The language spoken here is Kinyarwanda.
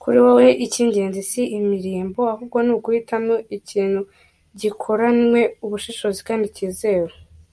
Kuri wowe icy’ingenzi si imirimbo ahubwo ni uguhitamo ikintu gikoranywe ubushishozi kandi cyizewe.